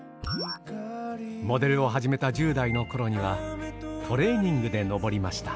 モデルを始めた１０代のころにはトレーニングで登りました。